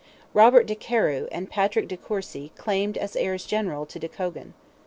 Robert de Carew and Patrick de Courcy claimed as heirs general to de Cogan.